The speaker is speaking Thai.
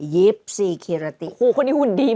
ยิปสิเคราะห์ติ